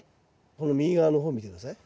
この右側の方見て下さい。